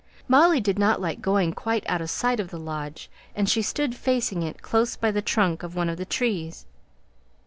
Molly did not like going quite out of sight of the lodge, and she stood facing it, close by the trunk of one of the trees.